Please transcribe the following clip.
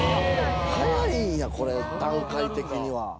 早いんやこれ段階的には。